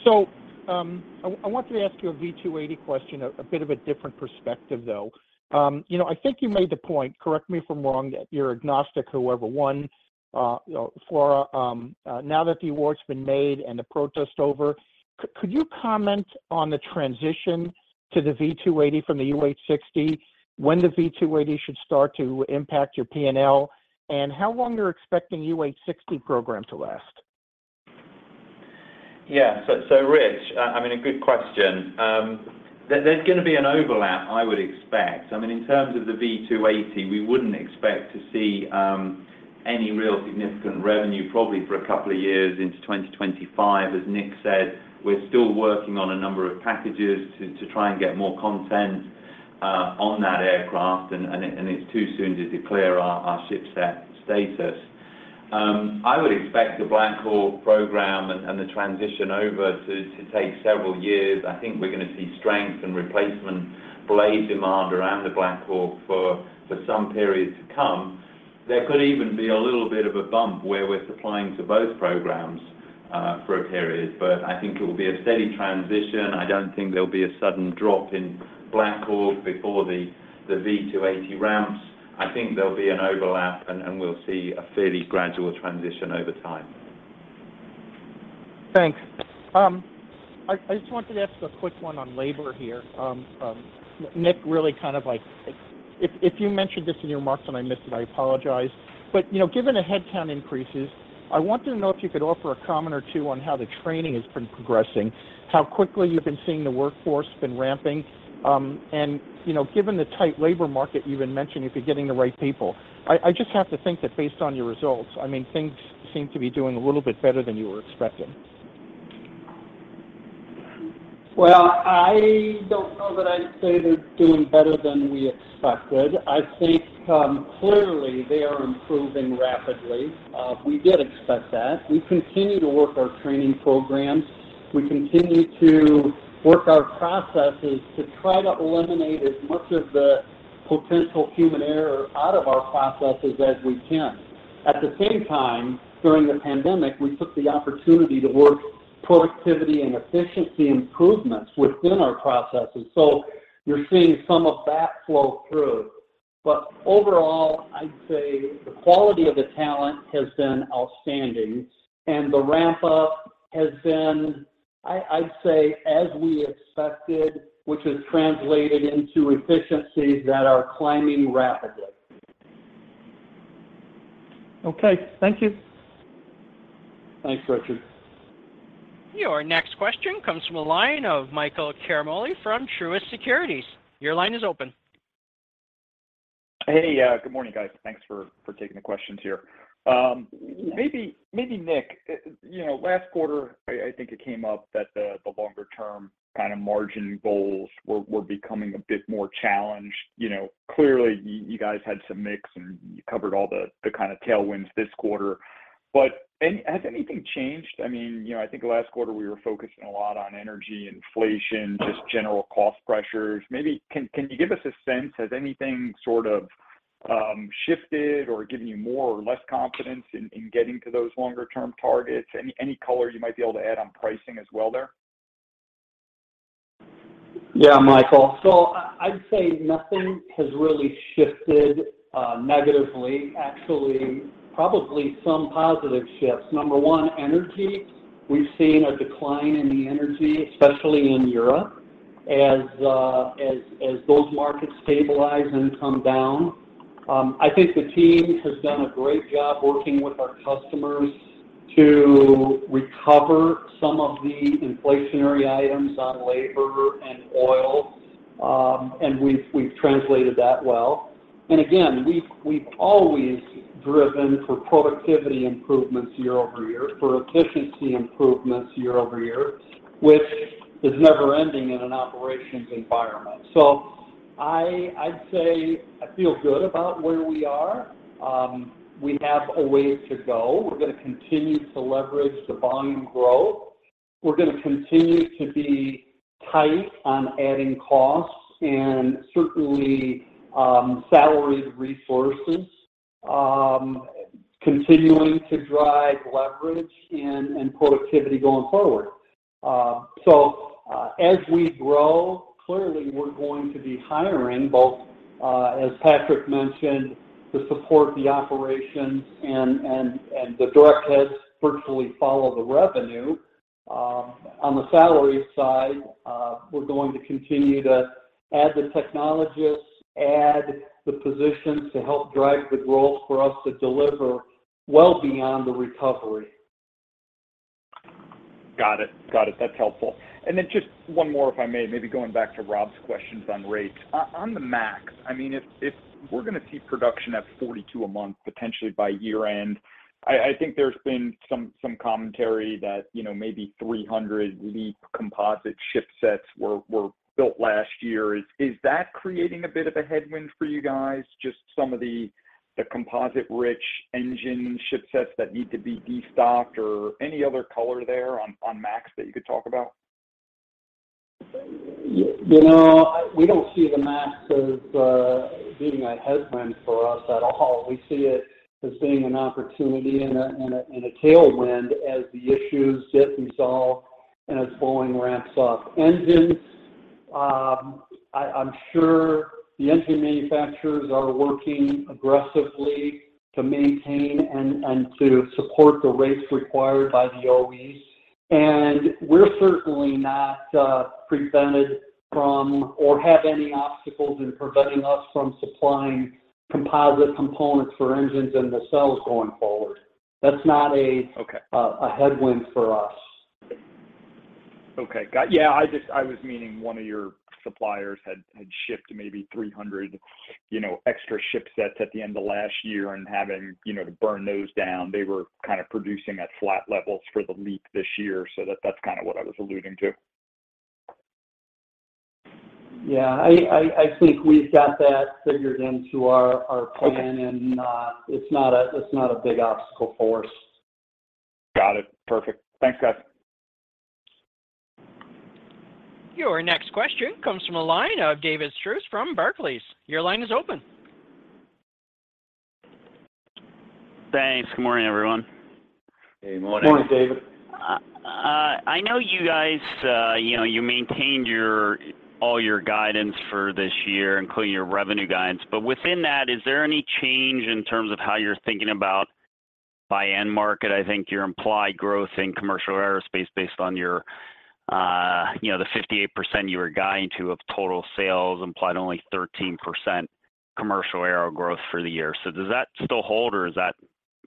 I wanted to ask you a V-280 question, a bit of a different perspective, though. you know, I think you made the point, correct me if I'm wrong, that you're agnostic whoever won, you know, FLRAA. now that the award's been made and the protest over, could you comment on the transition to the V-280 from the UH-60, when the V-280 should start to impact your PNL, and how long you're expecting UH-60 program to last? Yeah. Rich, I mean, a good question. There's gonna be an overlap, I would expect. I mean, in terms of the V-280, we wouldn't expect to see any real significant revenue probably for a couple of years into 2025. As Nick said, we're still working on a number of packages to try and get more content on that aircraft, and it's too soon to declare our shipset status. I would expect the Black Hawk program and the transition over to take several years. I think we're gonna see strength and replacement blade demand around the Black Hawk for some period to come. There could even be a little bit of a bump where we're supplying to both programs for a period. I think it will be a steady transition. I don't think there'll be a sudden drop in Black Hawk before the V-280 ramps. I think there'll be an overlap, and we'll see a fairly gradual transition over time. Thanks. I just wanted to ask a quick one on labor here. Nick, really kind of like if you mentioned this in your remarks and I missed it, I apologize. You know, given the headcount increases, I wanted to know if you could offer a comment or two on how the training has been progressing, how quickly you've been seeing the workforce been ramping. You know, given the tight labor market you even mentioned, if you're getting the right people. I just have to think that based on your results, I mean, things seem to be doing a little bit better than you were expecting. Well, I don't know that I'd say they're doing better than we expected. I think, clearly they are improving rapidly. We did expect that. We continue to work our training programs. We continue to work our processes to try to eliminate as much of the potential human error out of our processes as we can. At the same time, during the pandemic, we took the opportunity to work productivity and efficiency improvements within our processes. You're seeing some of that flow through. Overall, I'd say the quality of the talent has been outstanding, and the ramp-up has been, I'd say, as we expected, which has translated into efficiencies that are climbing rapidly. Okay. Thank you. Thanks, Richard. Your next question comes from the line of Michael Ciarmoli from Truist Securities. Your line is open. Hey. Good morning, guys. Thanks for taking the questions here. Yeah. Maybe Nick, you know, last quarter, I think it came up that the longer term kind of margin goals were becoming a bit more challenged. You know, clearly you guys had some mix, and you covered all the kind of tailwinds this quarter. Has anything changed? I mean, you know, I think last quarter we were focusing a lot on energy, inflation. Mm-hmm. Just general cost pressures. Maybe can you give us a sense, has anything sort of shifted or given you more or less confidence in getting to those longer term targets? Any color you might be able to add on pricing as well there? Michael. I'd say nothing has really shifted negatively. Actually, probably some positive shifts. Number one, energy. We've seen a decline in the energy, especially in Europe, as those markets stabilize and come down. I think the team has done a great job working with our customers to recover some of the inflationary items on labor and oil, and we've translated that well. Again, we've always driven for productivity improvements year-over-year, for efficiency improvements year-over-year, which is never ending in an operations environment. I'd say I feel good about where we are. We have a way to go. We're gonna continue to leverage the volume growth. We're gonna continue to be tight on adding costs and certainly, salaried resources, continuing to drive leverage and productivity going forward. As we grow, clearly we're going to be hiring both, as Patrick mentioned, to support the operations and the direct heads virtually follow the revenue. On the salary side, we're going to continue to add the technologists, add the positions to help drive the growth for us to deliver well beyond the recovery. Got it. That's helpful. Just one more, if I may, maybe going back to Rob's questions on rates. On the MAX, I mean, if we're gonna see production at 42 a month potentially by year end, I think there's been some commentary that, you know, maybe 300 LEAP composite shipsets were built last year. Is that creating a bit of a headwind for you guys, just some of the composite-rich engine shipsets that need to be destocked or any other color there on MAX that you could talk about? You know, we don't see the MAX as being a headwind for us at all. We see it as being an opportunity and a, and a, and a tailwind as the issues get resolved and as Boeing ramps up engines. I'm sure the engine manufacturers are working aggressively to maintain and to support the rates required by the OEs. We're certainly not prevented from or have any obstacles in preventing us from supplying composite components for engines and nacelles going forward. Okay a headwind for us. Okay. Got. Yeah, I was meaning one of your suppliers had shipped maybe 300, you know, extra shipsets at the end of last year and having, you know, to burn those down. They were kind of producing at flat levels for the LEAP this year. That's kind of what I was alluding to. Yeah. I think we've got that figured into our plan. Okay. It's not a, it's not a big obstacle for us. Got it. Perfect. Thanks, guys. Your next question comes from the line of David Strauss from Barclays. Your line is open. Thanks. Good morning, everyone. Good morning. Morning, David. I know you guys, you know, you maintained all your guidance for this year, including your revenue guidance. Within that, is there any change in terms of how you're thinking about by end market? I think your implied growth in commercial aerospace based on your, you know, the 58% you were guiding to of total sales implied only 13% commercial aero growth for the year. Does that still hold, or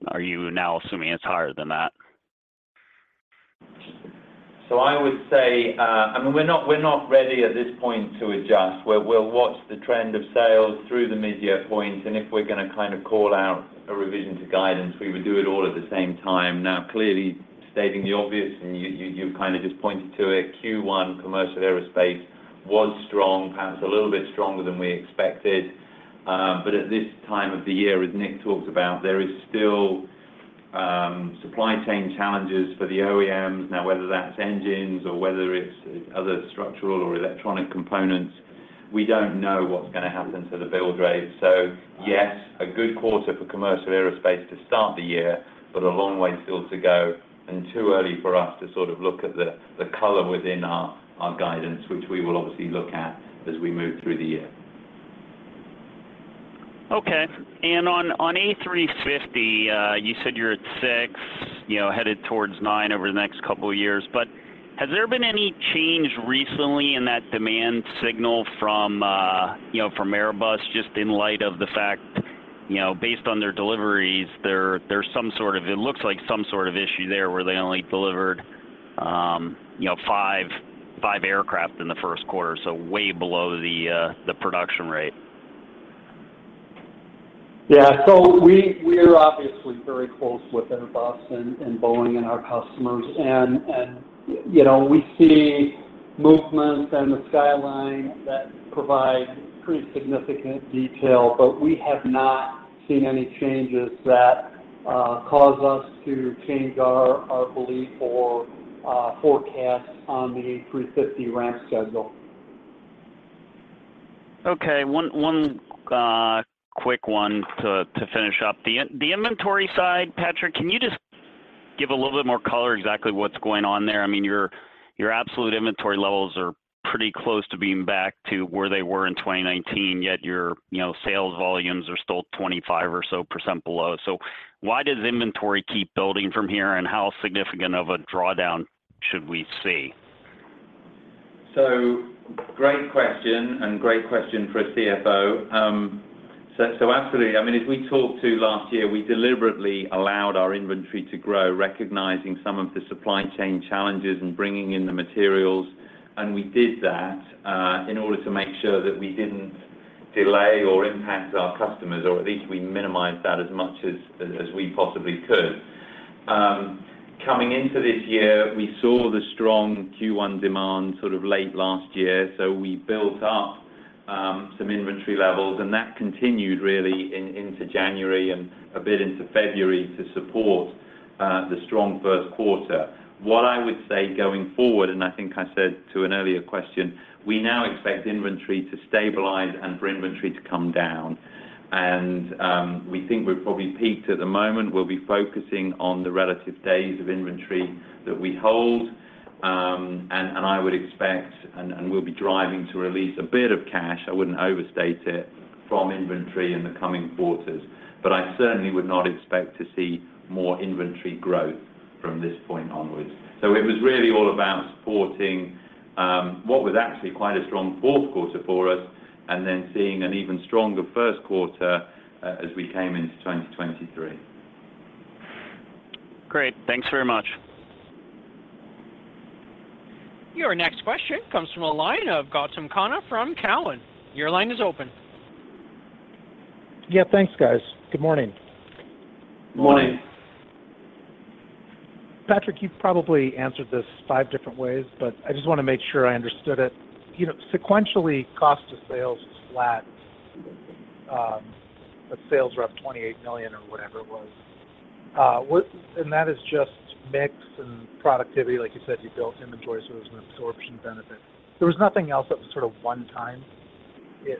are you now assuming it's higher than that? I mean, we're not, we're not ready at this point to adjust. We'll, we'll watch the trend of sales through the midyear point, if we're gonna kind of call out a revision to guidance, we would do it all at the same time. Clearly stating the obvious, and you kind of just pointed to it, Q1 commercial aerospace was strong, perhaps a little bit stronger than we expected. At this time of the year, as Nick talked about, there is still supply chain challenges for the OEMs. Whether that's engines or whether it's other structural or electronic components, we don't know what's gonna happen to the build rates. Yes, a good quarter for commercial aerospace to start the year, but a long way still to go and too early for us to sort of look at the color within our guidance, which we will obviously look at as we move through the year. Okay. On A350, you said you're at 6, you know, headed towards 9 over the next couple of years. Has there been any change recently in that demand signal from, you know, from Airbus, just in light of the fact, you know, based on their deliveries, there's some sort of... it looks like some sort of issue there where they only delivered, you know, 5 aircraft in the 1st quarter, so way below the production rate? We, we're obviously very close with Airbus and Boeing and our customers. You know, we see movements in the skyline that provide pretty significant detail. We have not seen any changes that cause us to change our belief or forecast on the A350 ramp schedule. One quick one to finish up. The in the inventory side, Patrick, can you just give a little bit more color exactly what's going on there? I mean, your absolute inventory levels are pretty close to being back to where they were in 2019, yet your, you know, sales volumes are still 25% or so below. Why does inventory keep building from here, and how significant of a drawdown should we see? Great question, and great question for a CFO. Absolutely. As we talked to last year, we deliberately allowed our inventory to grow, recognizing some of the supply chain challenges and bringing in the materials, and we did that in order to make sure that we didn't delay or impact our customers, or at least we minimized that as much as we possibly could. Coming into this year, we saw the strong Q1 demand sort of late last year, so we built up some inventory levels, and that continued really into January and a bit into February to support the strong first quarter. What I would say going forward, and I think I said to an earlier question, we now expect inventory to stabilize and for inventory to come down. We think we've probably peaked at the moment. We'll be focusing on the relative days of inventory that we hold. I would expect and we'll be driving to release a bit of cash, I wouldn't overstate it, from inventory in the coming quarters. I certainly would not expect to see more inventory growth from this point onwards. It was really all about supporting what was actually quite a strong fourth quarter for us and then seeing an even stronger first quarter as we came into 2023. Great. Thanks very much. Your next question comes from the line of Gautam Khanna from Cowen. Your line is open. Yeah, thanks guys. Good morning. Morning. Patrick, you've probably answered this five different ways. I just wanna make sure I understood it. You know, sequentially, cost of sales was flat. Sales were up $28 million or whatever it was. That is just mix and productivity. Like you said, you built inventory, so it was an absorption benefit. There was nothing else that was sort of one time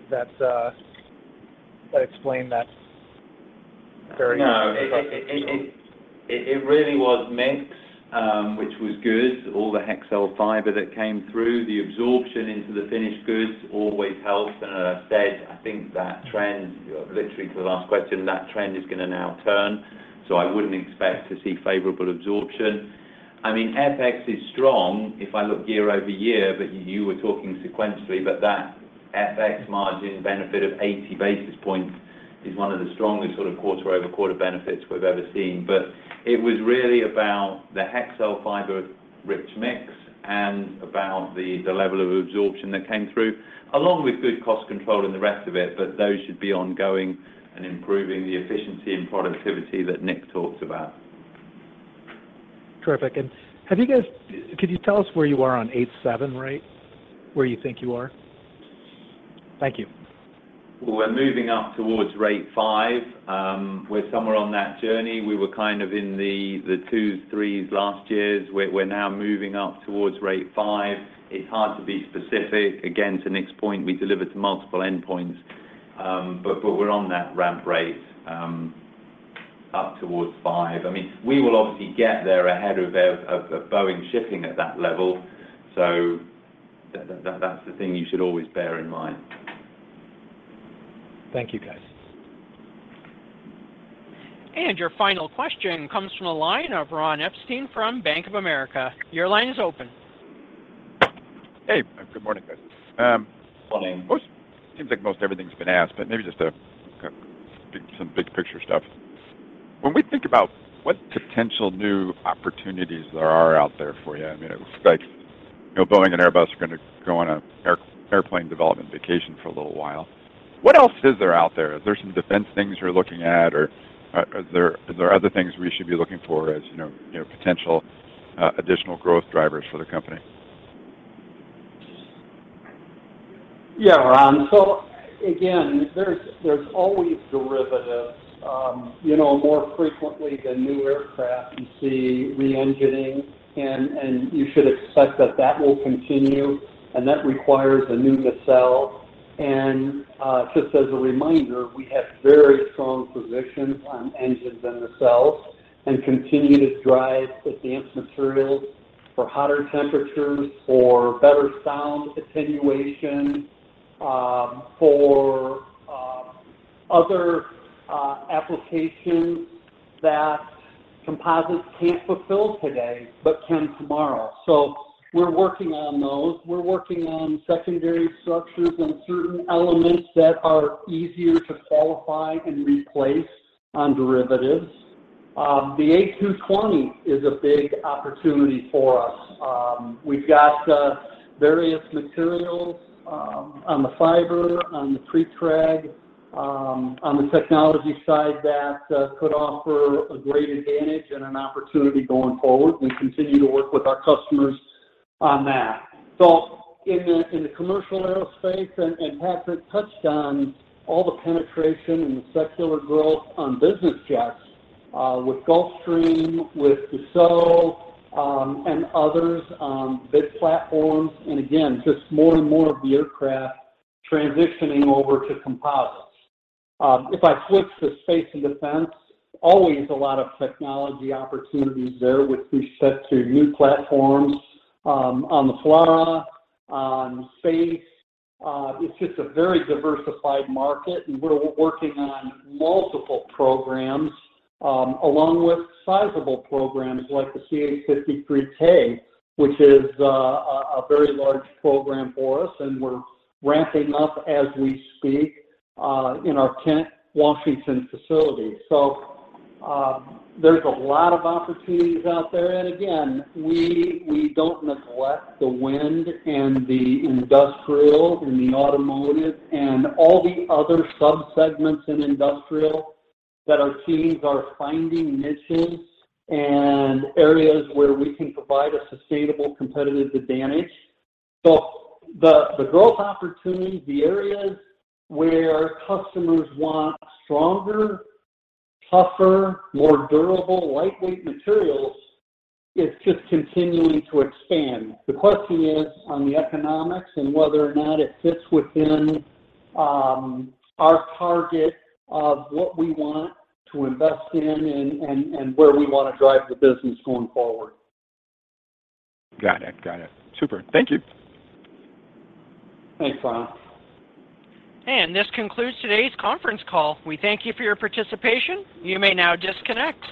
that explained that. No. drastic drop? It really was mix, which was good. All the Hexcel fiber that came through, the absorption into the finished goods always helps. As I said, I think that trend, literally to the last question, that trend is gonna now turn. I wouldn't expect to see favorable absorption. I mean, FX is strong if I look year-over-year, but you were talking sequentially. That FX margin benefit of 80 basis points is one of the strongest sort of quarter-over-quarter benefits we've ever seen. It was really about the Hexcel fiber-rich mix and about the level of absorption that came through, along with good cost control and the rest of it, but those should be ongoing and improving the efficiency and productivity that Nick talks about. Terrific. Could you tell us where you are on 787 rate? Where you think you are? Thank you. We're moving up towards rate 5. We're somewhere on that journey. We were kind of in the 2s, 3s last years. We're, we're now moving up towards rate 5. It's hard to be specific. Again, to Nick's point, we deliver to multiple endpoints, but we're on that ramp rate up towards 5. I mean, we will obviously get there ahead of Boeing shipping at that level. So that's the thing you should always bear in mind. Thank you, guys. Your final question comes from the line of Ron Epstein from Bank of America. Your line is open. Hey, good morning, guys. Morning. Seems like most everything's been asked, but maybe just to kind of speak to some big picture stuff. When we think about what potential new opportunities there are out there for you, I mean, it looks like, you know, Boeing and Airbus are gonna go on an airplane development vacation for a little while. What else is there out there? Is there some defense things you're looking at, or are there other things we should be looking for as, you know, you know, potential additional growth drivers for the company? Yeah, Ron. Again, there's always derivatives. You know, more frequently than new aircraft, you see re-engining and you should expect that that will continue, and that requires a new nacelle. Just as a reminder, we have very strong positions on engines and nacelles and continue to drive advanced materials for hotter temperatures, for better sound attenuation, for other applications that composites can't fulfill today, but can tomorrow. We're working on those. We're working on secondary structures and certain elements that are easier to qualify and replace on derivatives. The A220 is a big opportunity for us. We've got various materials on the fiber, on the pre-preg, on the technology side that could offer a great advantage and an opportunity going forward. We continue to work with our customers on that. In the, in the commercial aerospace, and Patrick touched on all the penetration and the secular growth on business jets, with Gulfstream, with Dassault, and others, big platforms, and again, just more and more of the aircraft transitioning over to composites. If I flip to space and defense, always a lot of technology opportunities there with respect to new platforms, on the FLRAA, on FATE. It's just a very diversified market, and we're working on multiple programs, along with sizable programs like the CH-53K, which is a very large program for us, and we're ramping up as we speak, in our Kent, Washington facility. There's a lot of opportunities out there. Again, we don't neglect the wind and the industrial and the automotive and all the other sub-segments in industrial that our teams are finding niches and areas where we can provide a sustainable competitive advantage. The growth opportunities, the areas where customers want stronger, tougher, more durable, lightweight materials is just continuing to expand. The question is on the economics and whether or not it fits within our target of what we want to invest in and where we wanna drive the business going forward. Got it. Got it. Super. Thank you. Thanks, Ron. This concludes today's conference call. We thank you for your participation. You may now disconnect.